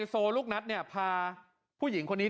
ไฮโซลุคนัทบอกว่าครั้งแรกที่เขารู้เรื่องนี้ได้ยินเรื่องนี้เนี่ย